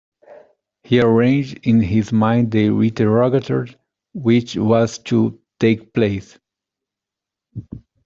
He arranged in his mind the interrogatory which was to take place.